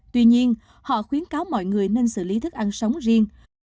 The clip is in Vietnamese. tuy nhiên họ khuyến cáo mọi người nên xử lý thức ăn sống riêng